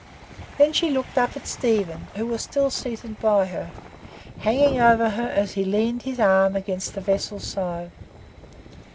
Then she looked up at Stephen, who was still seated by her, hanging over her as he leaned his arm against the vessel's side.